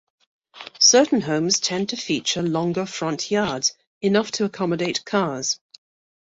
Certain homes tend to feature longer front yards, enough to accommodate cars.